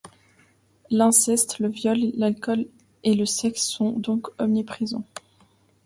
L'inceste, le viol, l'alcool et le sexe sont donc omniprésents.